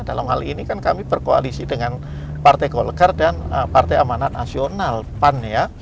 dalam hal ini kan kami berkoalisi dengan partai golkar dan partai amanat nasional pan ya